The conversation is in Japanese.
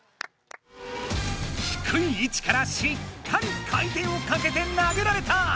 低い位置からしっかり回転をかけて投げられた！